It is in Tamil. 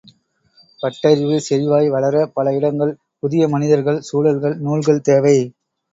பட்டறிவு செறிவாய் வளர பல இடங்கள், புதிய மனிதர்கள், சூழல்கள், நூல்கள் தேவை